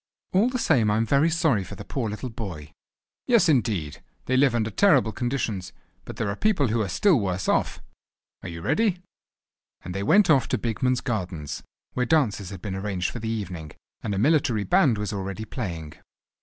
"All the same I am very sorry for the poor little boy." "Yes, indeed! they live under terrible conditions, but there are people who are still worse off. Are you ready?" And they went off to Bigman's Gardens, where dances had been arranged for the evening, and a military band was already playing.